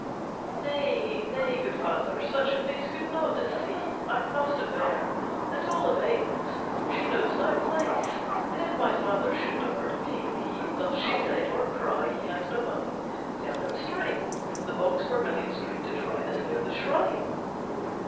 "Nay, nay, good father, such a face Could not deceive, I must aver; At all events, she knows thy place, 'And if my father should demur To pay thee' thus she said, 'or cry He has no money, tell him straight The box vermilion streaked to try, That's near the shrine.'"